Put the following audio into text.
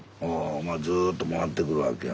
ずと回ってくるわけや。